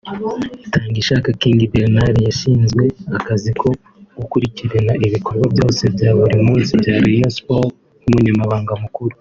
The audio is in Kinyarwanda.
Itangishaka King Bernard yashinzwe akazi ko gukurikirana ibikorwa byose bya buri munsi bya Rayon sports nk’umunyamabanga mukuru